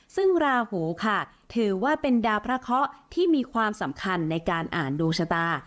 ซึ่งราหูค่ะถือว่าเป็นดาวพระเคาะที่มีความสำคัญในการอ่านดวงชะตา